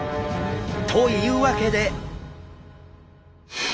というわけで！